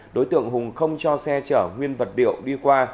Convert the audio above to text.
đối tượng hùng không cho xe chở nguyên vật điệu đi qua